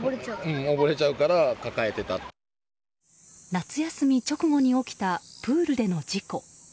夏休み直後に起きたプールでの事故。